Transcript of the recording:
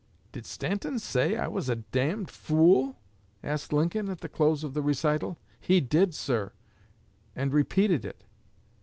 'Did Stanton say I was a d d fool?' asked Lincoln, at the close of the recital. 'He did, sir, and repeated it.'